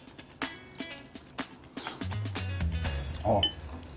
あっ。